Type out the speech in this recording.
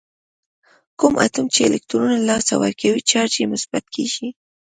کوم اتوم چې الکترون له لاسه ورکوي چارج یې مثبت کیږي.